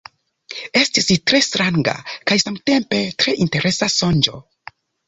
Estis tre stranga, kaj samtempe tre interesa sonĝo.